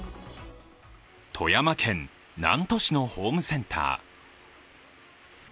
富山県南砺市のホームセンター。